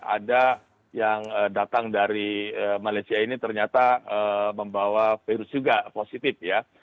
ada yang datang dari malaysia ini ternyata membawa virus juga positif ya